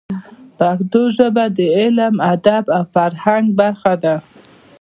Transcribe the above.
پښتو ژبه د علم، ادب او فرهنګ برخه ده.